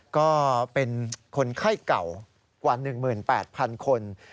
ก็เป็นคนไข้เก่ากว่า๑๘๐๐๐คน